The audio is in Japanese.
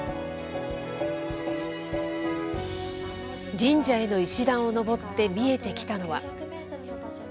神社への石段を上って見えてきたのは。